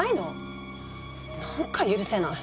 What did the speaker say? なんか許せない！